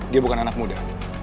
dia bukan anak muda